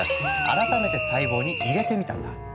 改めて細胞に入れてみたんだ。